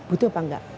butuh apa enggak